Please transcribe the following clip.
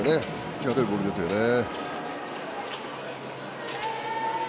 際どいボールですよね。